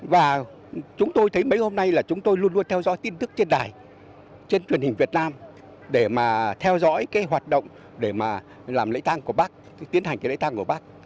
và chúng tôi thấy mấy hôm nay là chúng tôi luôn luôn theo dõi tin tức trên đài trên truyền hình việt nam để mà theo dõi cái hoạt động để mà làm lễ tang của bác tiến hành cái lễ tang của bác